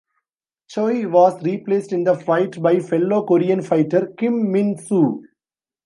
Choi was replaced in the fight by fellow Korean fighter Kim Min-soo.